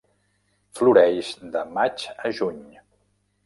Floreix de maig a juny.